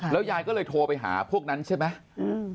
ยายก็เลยโทรไปหาพวกนั้นใช่ไหม